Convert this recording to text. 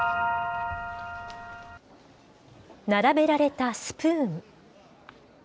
並べられたスプーン。